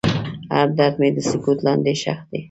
هر درد مې د سکوت لاندې ښخ دی.